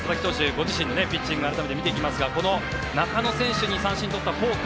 ご自身のピッチングを改めて見ていきますがこの中野選手の三振をとったフォーク。